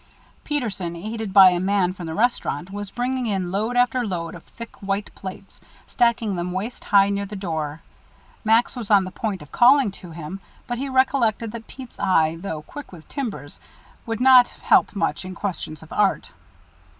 Peterson, aided by a man from the restaurant, was bringing in load after load of thick white plates, stacking them waist high near the door. Max was on the point of calling to him, but he recollected that Pete's eye, though quick with timbers, would not help much in questions of art.